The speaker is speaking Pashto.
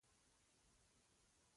که مېلمانه دغسې د اوبو بوتل وغورځوي.